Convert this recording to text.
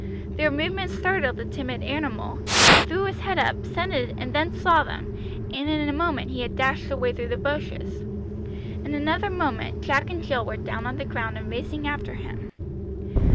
Their movements startled the timid animal, he threw his head up, scented and then saw them, and in a moment he had dashed away through the bushes. In another moment Jack and Jill were down on the ground and racing after him.